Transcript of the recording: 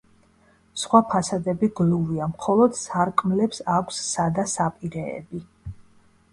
სხვა ფასადები გლუვია, მხოლოდ სარკმლებს აქვს სადა საპირეები.